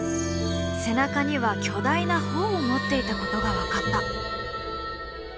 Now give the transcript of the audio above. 背中には巨大な帆を持っていたことが分かった。